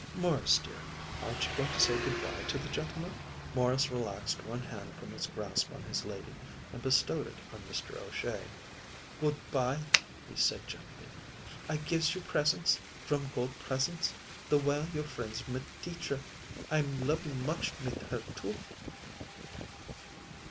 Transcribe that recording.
"Morris, dear, aren't you going to say good by to the gentleman?" Morris relaxed one hand from its grasp on his lady and bestowed it on Mr. O'Shea. "Good by," said he gently. "I gives you presents, from gold presents, the while you're friends mit Teacher. I'm loving much mit her, too."